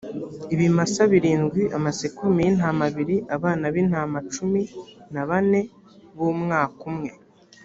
ibimasa birindwi, amasekurume y’intama abiri, abana b’intama cumi na bane b’umwaka umwe